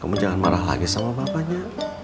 kamu jangan marah lagi sama bapaknya